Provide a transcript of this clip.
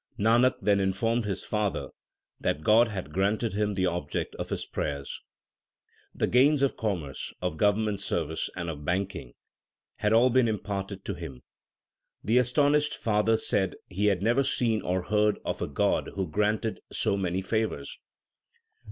1 Nanak then informed his father that God had granted him the object of his prayers. The gains of commerce, of government service, and of banking, had all been imparted to him. The astonished father said he had never seen or heard of a God who granted so many favours.